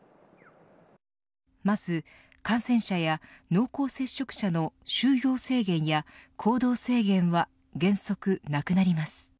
まず、感染者や濃厚接触者の就業制限や行動制限は原則なくなります。